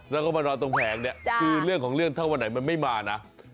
แล้วเขามานอนตรงแผงคือเรื่องของเรื่องเท่าไหร่มันไม่มานะ